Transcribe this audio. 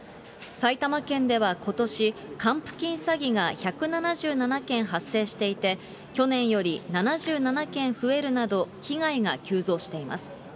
埼玉県ではことし、還付金詐欺が１７７件発生していて、去年より７７件増えるなど、被害が急増しています。